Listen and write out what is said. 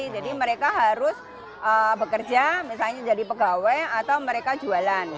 jadi mereka harus bekerja misalnya jadi pegawai atau mereka jualan